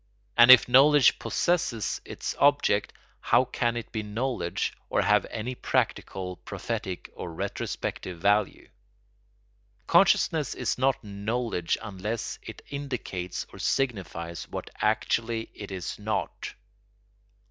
And if knowledge possesses its object, how can it be knowledge or have any practical, prophetic, or retrospective value? Consciousness is not knowledge unless it indicates or signifies what actually it is not.